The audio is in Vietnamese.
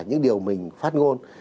những điều mình phát ngôn